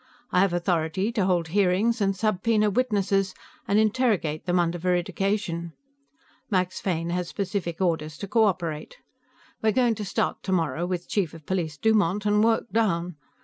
I have authority to hold hearings, and subpoena witnesses, and interrogate them under veridication. Max Fane has specific orders to cooperate. We're going to start, tomorrow, with Chief of Police Dumont and work down.